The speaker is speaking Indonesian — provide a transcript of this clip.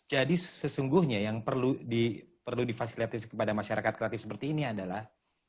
jadi sesungguhnya yang perlu difasilitasi kepada masyarakat kreatif seperti ini adalah